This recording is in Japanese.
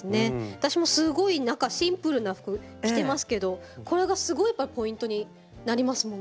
私もすごい中シンプルな服着てますけどこれがすごいポイントになりますもんね。